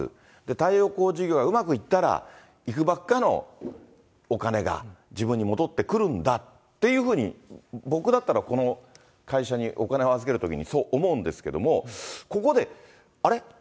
太陽光事業がうまくいったら、幾ばくかのお金が自分に戻ってくるんだっていうふうに、僕だったらこの会社にお金を預けるときにそう思うんですけれども、ここで、あれ？